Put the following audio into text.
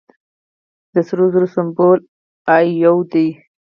د سرو زرو سمبول ای یو دی.